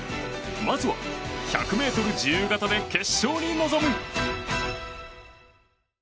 まずは１００ｍ自由形で決勝に臨む。